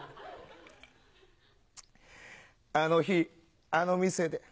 あの日あの店で。